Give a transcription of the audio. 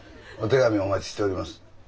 お手紙お待ちしております。